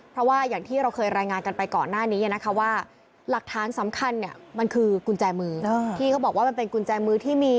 เพราะว่าอย่างที่เราเคยรายงานกันไปก่อนหน้านี้นะคะว่าหลักฐานสำคัญเนี่ยมันคือกุญแจมือที่เขาบอกว่ามันเป็นกุญแจมือที่มี